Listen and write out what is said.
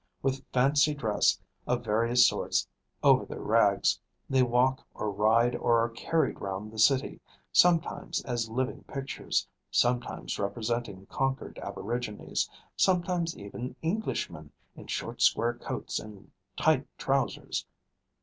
With fancy dress of various sorts over their rags, they walk or ride or are carried round the city, sometimes as living pictures, sometimes representing conquered aborigines, sometimes even Englishmen in short square coats and tight trousers.